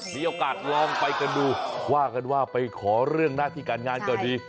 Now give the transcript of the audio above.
มีโอกาสลองไปกันดูว่ากันว่าไปขอเรื่องหน้าที่การงานก็ดี